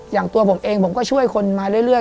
อย่างตัวผมเองผมก็ช่วยคนมาเรื่อย